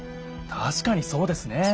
たしかにそうですね。